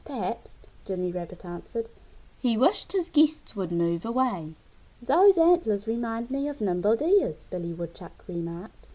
Perhaps!" Jimmy Rabbit answered. He wished his guests would move away. "Those antlers remind me of Nimble Deer's," Billy Woodchuck remarked.